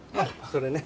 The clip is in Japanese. それね。